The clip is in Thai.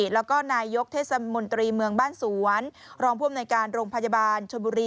แล้วก็นายยกเทศมนตรีเมืองบ้านสวนรองผู้อำนวยการโรงพยาบาลชนบุรี